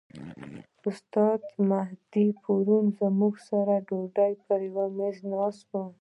استاد مهدي پرون موږ سره د ډوډۍ پر میز ناست و.